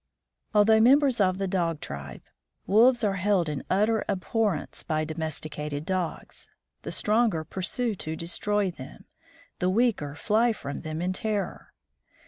Although members of the Dog tribe, Wolves are held in utter abhorrence by domesticated Dogs. The stronger pursue to destroy them, the weaker fly from them in terror.